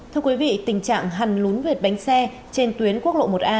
thưa quý vị tình trạng hàn lún vệt bánh xe trên tuyến quốc lộ một a